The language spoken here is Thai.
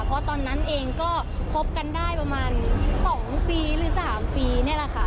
เพราะตอนนั้นเองก็คบกันได้ประมาณ๒ปีหรือ๓ปีนี่แหละค่ะ